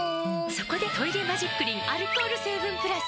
そこで「トイレマジックリン」アルコール成分プラス！